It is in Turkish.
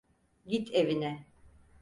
Git evine.